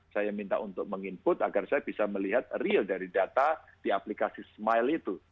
saya minta untuk meng input agar saya bisa melihat real dari data di aplikasi smile itu